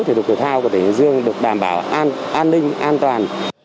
thể lục cửa thao của tỉnh hải dương được đảm bảo an ninh an toàn